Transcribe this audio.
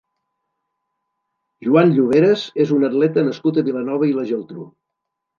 Juan Lloveras és un atleta nascut a Vilanova i la Geltrú.